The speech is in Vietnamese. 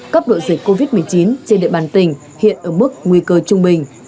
cấp độ dịch covid một mươi chín trên địa bàn tỉnh hiện ở mức nguy cơ trung bình